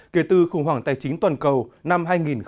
kể từ khủng hoảng tài chính toàn cầu năm hai nghìn tám